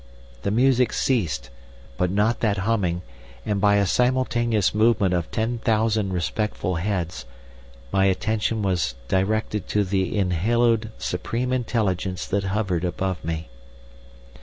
The music ceased, but not that humming, and by a simultaneous movement of ten thousand respectful heads my attention was directed to the enhaloed supreme intelligence that hovered above me.